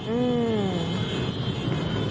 อืม